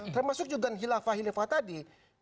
termasuk juga hilafah hilifah tadi